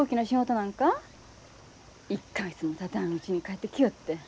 １か月もたたんうちに帰ってきよって。